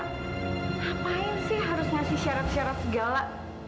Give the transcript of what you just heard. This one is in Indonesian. ngapain sih harus ngasih syarat syarat segala